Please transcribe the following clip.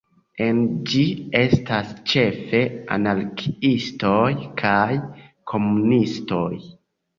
En ĝi estas ĉefe anarkiistoj kaj komunistoj.